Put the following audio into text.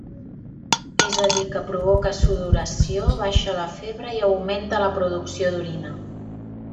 És a dir, que provoca sudoració, baixa la febre i augmenta la producció d'orina.